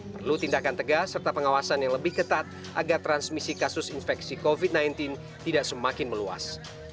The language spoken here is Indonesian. perlu tindakan tegas serta pengawasan yang lebih ketat agar transmisi kasus infeksi covid sembilan belas tidak semakin meluas